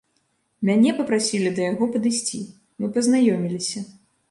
Мяне папрасілі да яго падысці, мы пазнаёміліся.